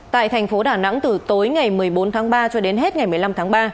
tại thành phố đà nẵng từ tối ngày một mươi bốn tháng ba cho đến hết ngày một mươi năm tháng ba